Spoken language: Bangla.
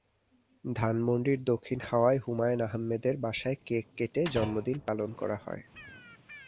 ধানমন্ডির দখিন হাওয়ায় হুমায়ূন আহমেদের বাসায় কেক কেটে জন্মদিন পালন করা হয়।